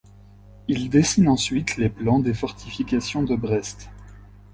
Il dessine ensuite les plans des fortifications de Brest.